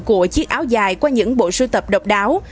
của chiếc áo dài qua những bộ sưu tập độc đáo